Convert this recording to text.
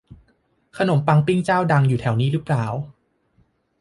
ขนมปังปิ้งเจ้าดังอยู่แถวนี้รึเปล่า